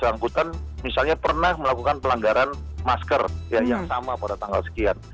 angkutan misalnya pernah melakukan pelanggaran masker yang sama pada tanggal sekian